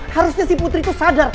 harusnya si putri itu sadar